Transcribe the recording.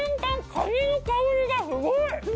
カニの香りがすごい！